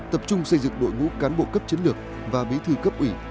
tập trung xây dựng đội ngũ cán bộ cấp chiến lược và bí thư cấp ủy